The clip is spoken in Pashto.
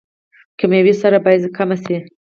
کیمیاوي سره باید کمه شي